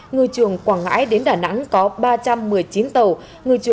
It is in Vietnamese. ngư trường quảng ngãi đến đà nẵng có ba trăm một mươi chín tàu